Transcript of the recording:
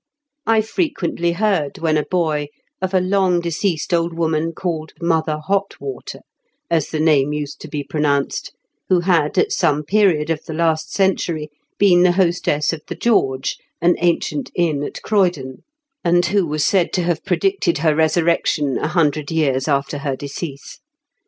I frequently heard, when a boy, of a long deceased old woman called Mother Hotwater (as the name used to be pronounced), who had, at some period of the last century, been the hostess of The George, an ancient inn at Croydon, and who was said to have predicted MOTHER EOTWATEB, 243 her resurrection a hundred years after her decease.